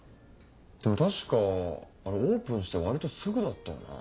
でも確かオープンして割とすぐだったよな。